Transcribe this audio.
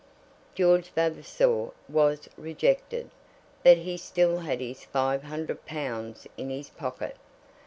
George Vavasor was rejected, but he still had his five hundred pounds in his pocket.